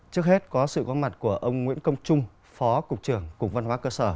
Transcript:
trước hết có sự có mặt của ông nguyễn công trung phó cục trưởng cục văn hóa cơ sở